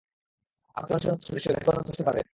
আমাকে অনুসরণ করছ নিশ্চয় ঘাড়ে কোন দোষ চাপাতে।